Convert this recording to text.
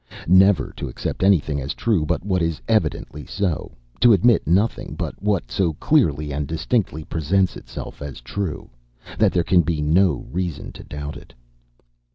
Never to accept anything as true but what is evidently so; to admit nothing but what so clearly and distinctly presents itself as true, that there can be no reason to doubt it.